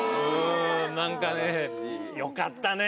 なんかねよかったね。